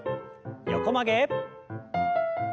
横曲げ。